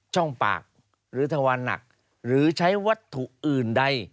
ช่องปากหรือทวารหนักหรือใช้วัตถุอื่นใด